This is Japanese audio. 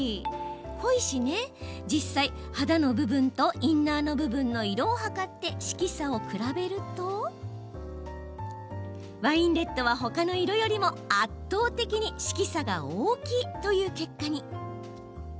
実際、肌の部分とインナーの部分の色を測って色差を比べるとワインレッドは、ほかの色よりも圧倒的に色差が大きいという結果に。